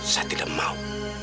saya tidak mau